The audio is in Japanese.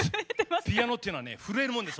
ピアノっていうのはね震えるもんです